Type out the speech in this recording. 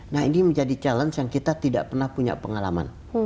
nah ini menjadi challenge yang kita tidak pernah punya pengalaman